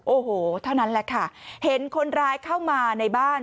โอ้โหเท่านั้นแหละค่ะเห็นคนร้ายเข้ามาในบ้าน